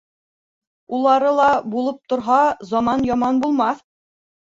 Улары ла булып торһа, заман яман булмаҫ.